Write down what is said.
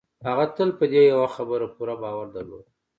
هغه تل په دې يوه خبره پوره باور درلود.